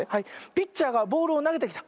ピッチャーがボールをなげてきた。